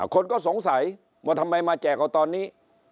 คนก็สงสัยว่าทำไมมาแจกเอาตอนนี้